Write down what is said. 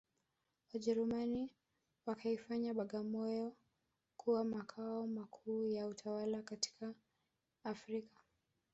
Wajerumani wakaifanya Bagamoyo kuwa makao yao makuu ya utawala katika Afrika